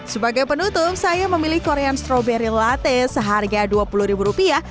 sebagai penutup saya memilih korean stroberi latte seharga dua puluh ribu rupiah